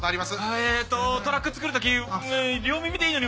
えっとトラック作る時両耳でいいのに。